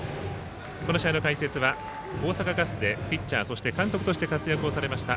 この試合の解説は大阪ガスでピッチャー、そして監督として活躍をされました